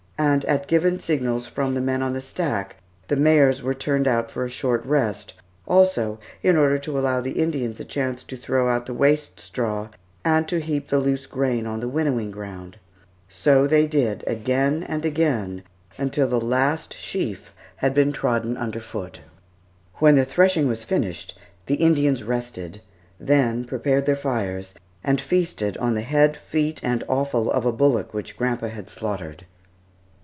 And, at given signals from the men on the stack, the mares were turned out for a short rest, also in order to allow the Indians a chance to throw out the waste straw and to heap the loose grain on the winnowing ground. So they did again and again, until the last sheaf had been trodden under foot. When the threshing was finished, the Indians rested; then prepared their fires, and feasted on the head, feet, and offal of a bullock which grandpa had slaughtered.